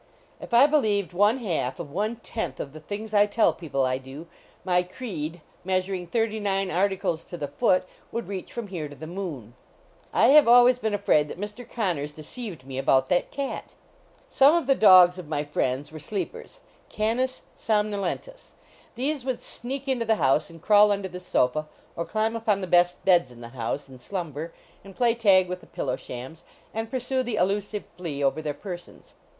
If I believed one half of one tenth of the things I tell people I do, my creed, measur ing thirty nine articles to the foot, would reach from here to the moon. I have always been afraid that Mr. Connors deceived me about that cat. Some of the dogs of my friends were Sleep ers, Canis somnolcutus. These would sneak into the house and crawl under the sofa or climb upon the best beds in the house , and 246 HOUSEHOLD PK I S slumber, and play tag with the pillow sham . and pursue the elusive flea over their persons.